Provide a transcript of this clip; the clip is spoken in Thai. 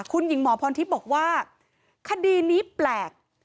คุณหญิงหมอพรทิพย์บอกว่าคดีนี้แปลก